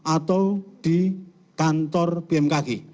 atau di kantor bmkg